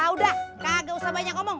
udah kagak usah banyak ngomong